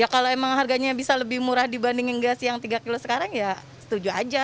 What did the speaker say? kalau emang harganya bisa lebih murah dibandingin gas yang tiga kilo sekarang ya setuju aja